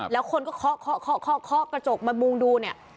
แล้วคนก็คอกกระจกมามุงดูเนี่ย